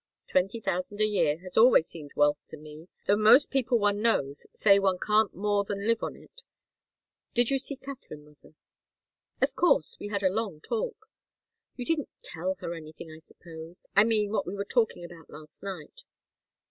Twenty thousand a year has always seemed wealth to me, though most people one knows say one can't more than live on it. Did you see Katharine, mother?" "Of course. We had a long talk." "You didn't tell her anything, I suppose? I mean, what we were talking about last night?"